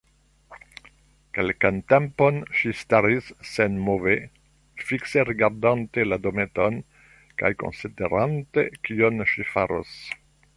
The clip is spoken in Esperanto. Kelkan tempon ŝi staris senmove, fikse rigardante la dometon kaj konsiderante kion ŝi faros.